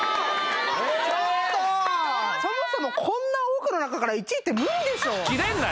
ちょっとーそもそもこんな多くの中から１位って無理でしょ？